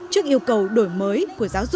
trước yêu cầu đổi mới của giáo sư minh